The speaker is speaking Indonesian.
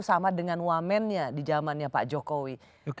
sama dengan wamennya di zamannya pak jokowi